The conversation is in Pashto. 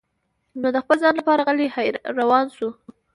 نو د خپل ځان لپاره غلی روان شو.